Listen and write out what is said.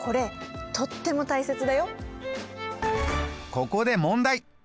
ここで問題！